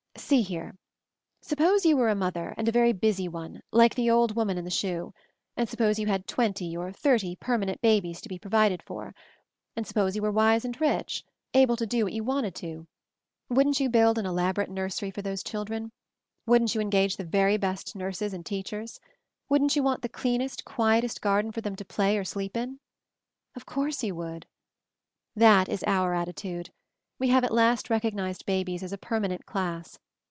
See here. Suppose you were a mother, and a very busy one, like the old woman in the shoe ; and sup pose you had twenty or thirty permanent babies to be provided for? And suppose 206 MOVING THE MOUNTAIN you were wise and rich — able to do what you wanted to? Wouldn't you build an elaborate nursery for those children? Wouldn't you engage the very best nurses and teachers? Wouldn't you want the clean est, quietest garden for them to play or sleep in? Of course you would. "That is our attitude. We have at last recognized babies as a permanent class.